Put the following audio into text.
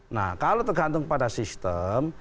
nah kalau tergantung pada sistem